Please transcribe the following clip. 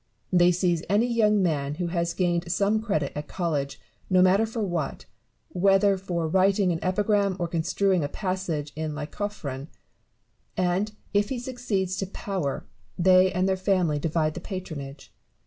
They seize any young man who has gained some credit at college, no matter for what, whether for writing an epigram or construing a passage in Lycophron ; and, if he succeeds to power, they and their family divide the patronage.